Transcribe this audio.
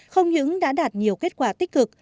không những đã đạt nhiều kết quả tích cực